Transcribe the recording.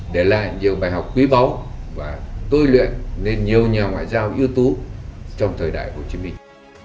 để lại nhiều bài học quý báu và tôi luyện nên nhiều nhà ngoại giao ưu tú trong thời đại hồ chí minh